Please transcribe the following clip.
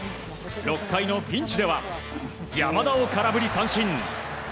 ６回のピンチでは山田を空振り三振。